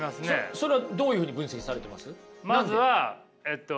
それはどういうふうに分析されてます？